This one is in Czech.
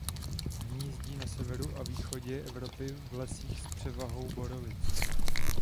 Hnízdí na severu a východě Evropy v lesích s převahou borovic.